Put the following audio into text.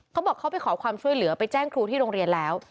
เขาบอกเขาไปขอความช่วยเหลือไปแจ้งครูที่โรงเรียนแล้ว